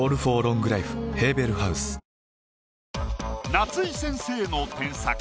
夏井先生の添削。